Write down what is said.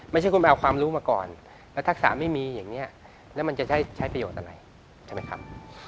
ไม่ใช่คุณไปเอาความรู้มาก่อนแล้วทักษะไม่มีอย่างนี้แล้วมันจะใช้ประโยชน์อะไรใช่ไหมครับ